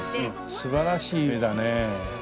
素晴らしい絵だね。